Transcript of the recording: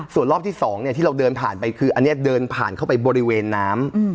ส่วนรอบที่๒ที่เราเดินผ่านไปคืออันนี้เดินผ่านเข้าไปบริเวณน้ำ